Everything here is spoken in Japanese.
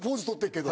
けど